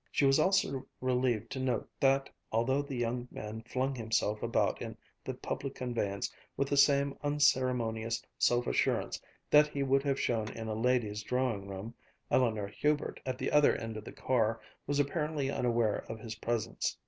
She was also relieved to note that, although the young man flung himself about in the public conveyance with the same unceremonious self assurance that he would have shown in a lady's drawing room, Eleanor Hubert, at the other end of the car, was apparently unaware of his presence.